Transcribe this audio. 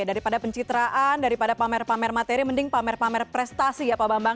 daripada pencitraan daripada pamer pamer materi mending pamer pamer prestasi ya pak bambang